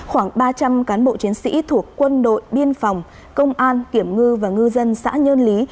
khoảng ba trăm linh cán bộ chiến sĩ thuộc quân đội biên phòng công an kiểm ngư và ngư dân xã nhơn lý